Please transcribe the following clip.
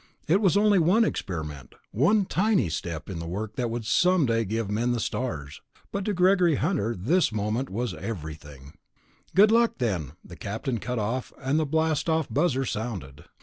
It was only one experiment, one tiny step in the work that could someday give men the stars, but to Gregory Hunter at this moment it was everything. "Good luck, then." The captain cut off, and the blastoff buzzer sounded.